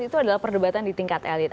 itu adalah perdebatan di tingkat elit